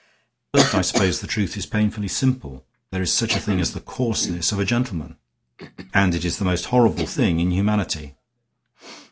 But I suppose the truth is painfully simple. There is such a thing as the coarseness of a gentleman. And it is the most horrible thing in humanity."